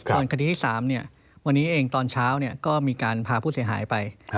ส่วนคดีที่๓วันนี้เองตอนเช้าก็มีการพาผู้เสียหายไป